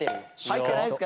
入ってないです。